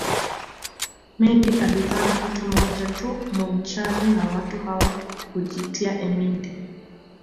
Mendi alizaa mtoto mmoja tu Munchari na watu hawa hujiitia emendi